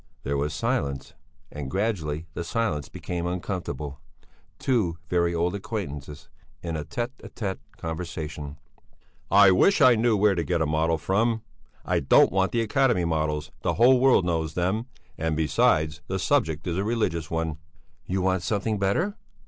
There was silence, and gradually the silence became uncomfortable: two very old acquaintances in a tête à tête conversation. "I wish I knew where to get a model from! I don't want the Academy models, the whole world knows them, and, besides, the subject is a religious one." "You want something better?